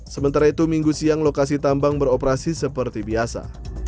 sementara itu minggu siang lokasi tambang beroperasi seperti biasa